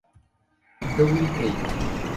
Doyle, Kate.